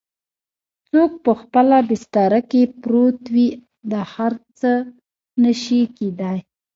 څوک په خپله بستره کې پروت وي دا هر څه نه شي کیدای؟